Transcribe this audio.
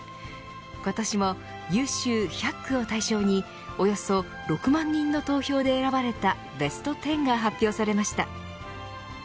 今年も優秀１００句を対象におよそ６万人の投票で選ばれたベスト１０が発表されました。